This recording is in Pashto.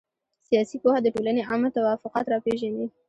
سياسي پوهه د ټولني عامه توافقات را پېژني.